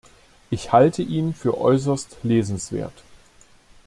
Ich halte ihn für äußerst lesenswert.